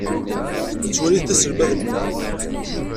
Nettwali-t d aselmad-nneɣ.